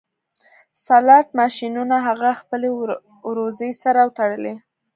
سلاټ ماشینونه هغه خپلې وروځې سره وتړلې